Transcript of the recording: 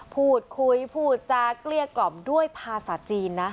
พูดคุยพูดจากเกลี้ยกล่อมด้วยภาษาจีนนะ